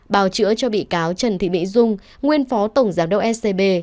bào chữa cho bị cáo trần thị mỹ dung nguyên phó tổng giám đốc scb